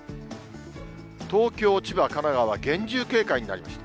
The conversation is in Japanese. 東京、千葉、神奈川、厳重警戒になりました。